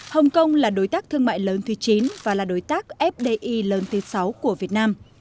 hồng kông là đối tác thương mại lớn thứ chín và là đối tác fdi lớn thứ sáu của việt nam